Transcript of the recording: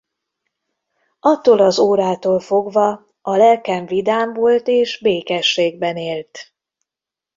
Attól az órától fogva a lelkem vidám volt és békességben élt.